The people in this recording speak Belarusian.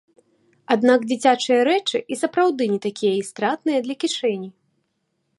Аднак дзіцячыя рэчы і сапраўды не такія і стратныя для кішэні!